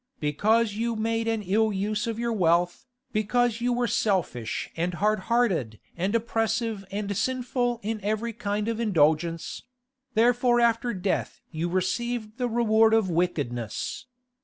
Because you made an ill use of your wealth, because you were selfish and hard hearted and oppressive and sinful in every kind of indulgence—therefore after death you received the reward of wickedness.